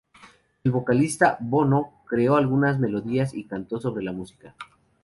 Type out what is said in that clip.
El vocalista, Bono, creó algunas melodías y cantó sobre la música.